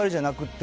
て